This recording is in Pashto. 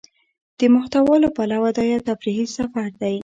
د محتوا له پلوه دا يو تفريحي سفر دى.